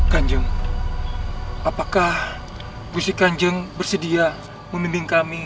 kanjeng apakah gusti kanjeng bersedia membimbing kami